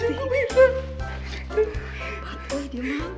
patuh ya diman